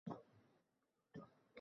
Chiroqlar yoniq turganini koʻrdim.